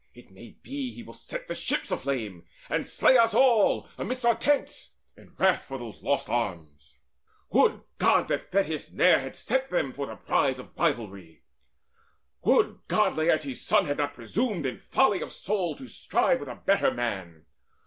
It may be he will set the ships aflame, And slay us all amidst our tents, in wrath For those lost arms. Would God that Thetis ne'er Had set them for the prize of rivalry! Would God Laertes' son had not presumed In folly of soul to strive with a better man!